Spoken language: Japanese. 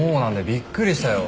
びっくりしたよ。